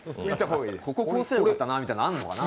こここうすればよかったなみたいなのあるのかな。